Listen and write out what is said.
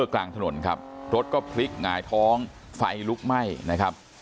กลางถนนครับรถก็พลิกหงายท้องไฟลุกไหม้นะครับ